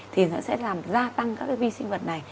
thì nó sẽ làm gia tăng các cái vi sinh vật này